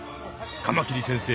カマキリ先生